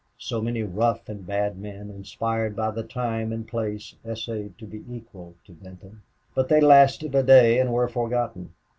So many rough and bad men, inspired by the time and place, essayed to be equal to Benton. But they lasted a day and were forgotten.